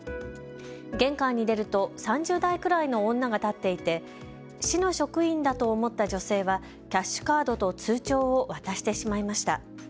玄関に出ると３０代くらいの女が立っていて、市の職員だと思った女性はキャッシュカードと通帳を渡してしまいました。